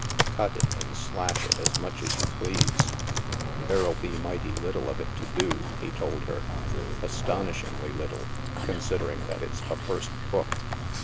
Cut it and slash it as much as you please." " Therell be mighty little of it to do," he told her. "Astonishingly little, considering that it's a first book."